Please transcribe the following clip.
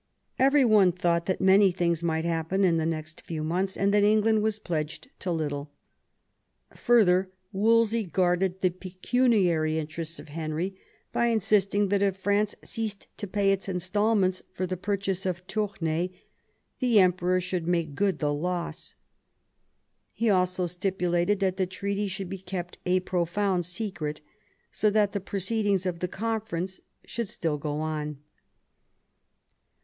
Every one thought that many things might happen in the next few months, and that England was pledged to little. Further, Wolsey guarded the pecuniary interests of Henry by insist ing that if France ceased to pay its instalments for the purchase of Toumai, the Emperor should make good the loss. He also stipulated that the treaty should be kept a profound secret^ so that the proceedings of the conference should still go on.